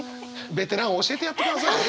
ベテラン教えてやってください！